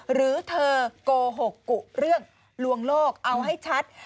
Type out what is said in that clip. หรือเธอโกหกกุเรื่องลวงโลกเอาให้ชัด